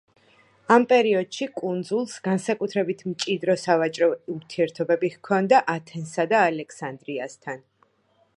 ამ პერიოდში კუნძულს განსაკუთრებით მჭიდრო სავაჭრო ურთიერთობები ჰქონდა ათენსა და ალექსანდრიასთან.